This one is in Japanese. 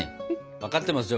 分かってますよ